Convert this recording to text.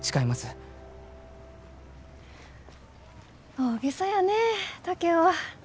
大げさやね竹雄は。